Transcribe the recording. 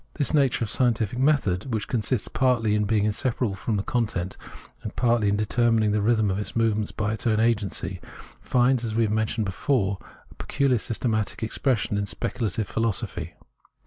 This nature of scientific method, which consists partly in being inseparable from the content, and partly in determining the rhythm of its movement by its own agency, finds, as we mentioned before, its peculiar systematic expression in speculative philo sophy.